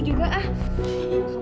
bu bagus kan